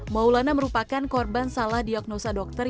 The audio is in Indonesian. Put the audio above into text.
maulana merupakan korban salah diagnosa dokter